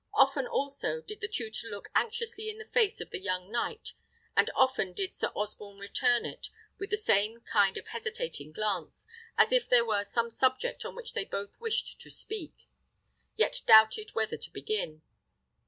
Often also did the tutor look anxiously in the face of the young knight, and often did Sir Osborne return it with the same kind of hesitating glance, as if there were some subject on which they both wished to speak, yet doubted whether to begin.